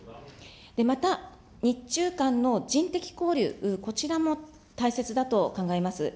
また、日中間の人的交流、こちらも大切だと考えます。